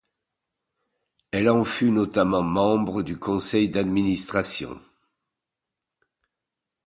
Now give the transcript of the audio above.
Elle en fut notamment membre du conseil d'administration.